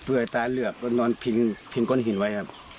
เปลือยตาเหลือกก็นอนพิงก้นหินไว้ครับ